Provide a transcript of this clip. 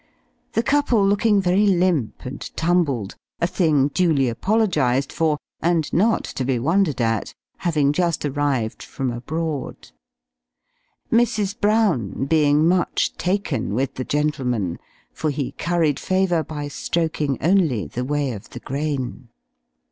The couple looking very limp and tumbled; a thing duly apologised for, and not to be wondered at having just arrived from abroad. Mrs. Brown being much taken with the gentleman for he curried favour by stroking only the way of the grain.